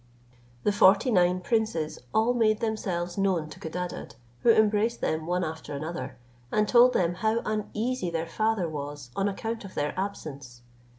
The forty nine princes all made themselves known to Codadad, who embraced them one after another, and told them how uneasy their father was on account of their absence.